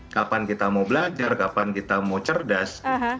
kapan kita mau belajar kapan kita mau cerdas